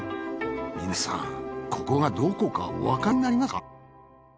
皆さんここがどこかおわかりになりますか？